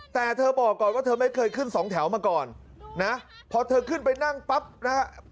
แต่เธอบอกก่อนว่าเธอไม่เคยขึ้นสองแถวมาก่อนนะพอเธอขึ้นไปนั่งปั๊บนะฮะ